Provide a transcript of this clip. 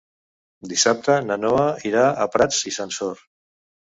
Dissabte na Noa irà a Prats i Sansor.